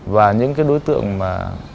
và những cái đối tượng mà